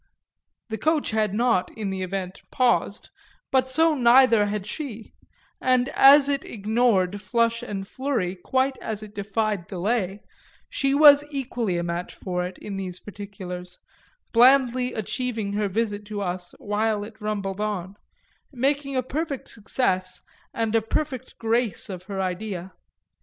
The coach had not, in the event, paused, but so neither had she, and as it ignored flush and flurry quite as it defied delay, she was equally a match for it in these particulars, blandly achieving her visit to us while it rumbled on, making a perfect success and a perfect grace of her idea.